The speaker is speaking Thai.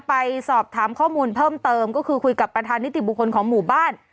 ไปสอบถามข้อมูลเพิ่มเติมก็คือคุยกับประธานนิติบุคคลของหมู่บ้าน